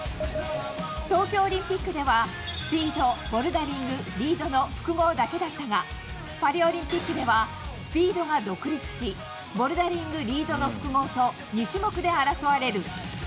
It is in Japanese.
東京オリンピックでは、スピード、ボルダリング、リードの複合だけだったが、パリオリンピックでは、スピードが独立し、ボルダリング、リードの複合と２種目で争われる。